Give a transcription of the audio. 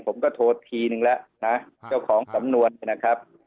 ผมก็โทรทีนึงแล้วนะเจ้าของสำนวนนะครับ